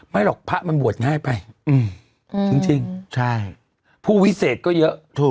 หรอกพระมันบวชง่ายไปจริงใช่ผู้วิเศษก็เยอะ